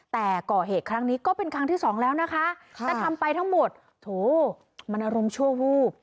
แต่ก่อเหตุครั้งนี้ก็เป็นครั้งที่สองแล้วนะคะแต่ทำไปทั้งหมดโถมันอารมณ์ชั่ววูบ